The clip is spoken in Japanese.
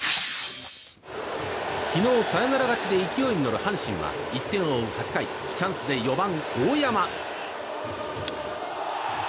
昨日、サヨナラ勝ちで勢いに乗る阪神は１点を追う８回チャンスで４番、大山。